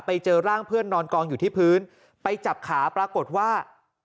ไปเจอร่างเพื่อนนอนกองอยู่ที่พื้นไปจับขาปรากฏว่า